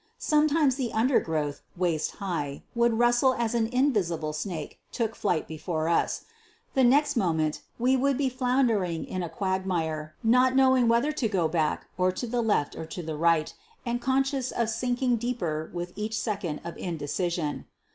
Sometimes the undergrowth, waist high, would rustle as an invisible snake took flight before us. The next moment we would be floundering in a quagmire, not knowing whether to go back or to the left or to the right, and conscious of sinking deeper with each second of indecision.